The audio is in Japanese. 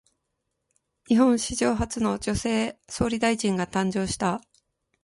日本史上初の女性総理大臣が誕生した。